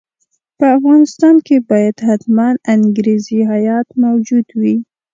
په افغانستان کې باید حتماً انګریزي هیات موجود وي.